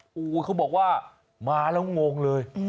โอ้โหเขาบอกว่ามาแล้วงงเลย